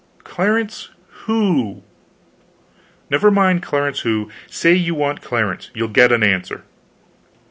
"Clarence who?" "Never mind Clarence who. Say you want Clarence; you'll get an answer."